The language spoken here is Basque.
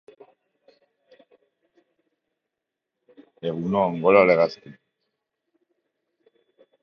Pentsatzen da bere buruari egin ziola, asmakizunaren erabilera berria probatzeko.